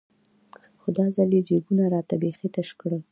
خو دا ځل يې جيبونه راته بيخي تش كړل.